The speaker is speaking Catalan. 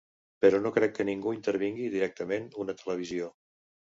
Però no crec que ningú intervingui directament una televisió.